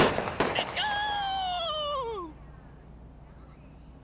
レッツゴー！